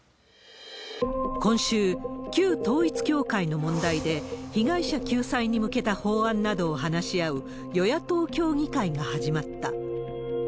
今週、旧統一教会の問題で、被害者救済に向けた法案などを話し合う、与野党協議会が始まった。